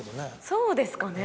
そうですかね。